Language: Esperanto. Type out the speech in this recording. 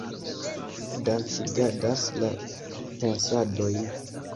dancigadas la pensadojn